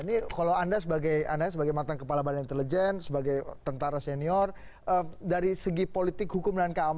ini kalau anda sebagai mantan kepala badan intelijen sebagai tentara senior dari segi politik hukum dan keamanan